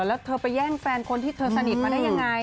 แล้วเธอไปแย่งแฟนคนที่เธอสนิทมาได้ยังไง